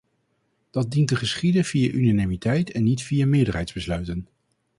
Dat dient te geschieden via unanimiteit en niet via meerderheidsbesluiten.